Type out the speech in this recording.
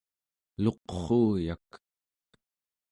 luqruuyak